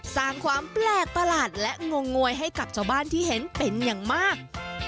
สร้างความแปลกประหลาดและงงงวยให้กับชาวบ้านที่เห็นเป็นอย่างมาก